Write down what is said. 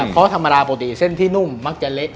เพราะธรรมดาปกติเส้นที่นุ่มมักจะเละ